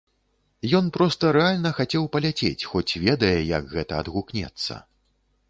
Ён проста рэальна хацеў паляцець, хоць ведае, як гэта адгукнецца.